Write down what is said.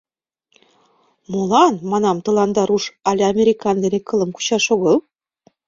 «Молан, — манам, — тыланда руш але американ дене кылым кучаш огыл?